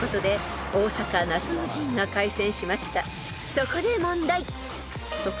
［そこで問題］